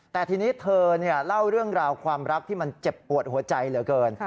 แต่ทีนี้เธอเล่าเรื่องราวความรักที่มันเจ็บปวดหัวใจเหลือเกิน